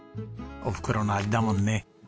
おふくろの味だもんね。